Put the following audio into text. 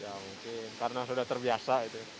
ya mungkin karena sudah terbiasa itu